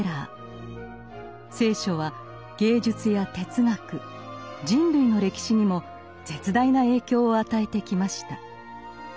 聖書は芸術や哲学人類の歴史にも絶大な影響を与えてきました。